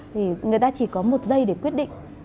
thì người ta chỉ có một giây để quyết định